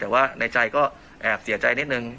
แต่ว่าในใจก็แอบเสียใจนิดนึง